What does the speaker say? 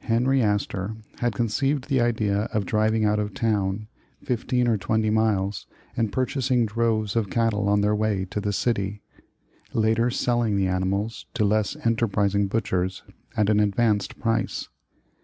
Henry Astor had conceived the idea of driving out of town, fifteen or twenty miles, and purchasing droves of cattle on their way to the city; later selling the ani mals to less enterprising butchers at an advanced price.